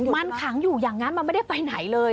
มันขังอยู่อย่างนั้นมันไม่ได้ไปไหนเลย